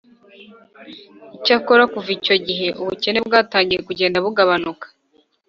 icyakora kuva icyo gihe, ubukene bwatangiye kugenda bugabanuka